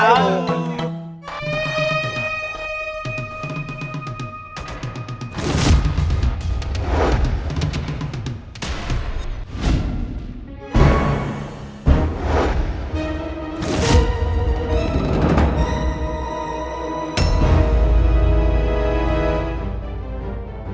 ah itu itu itu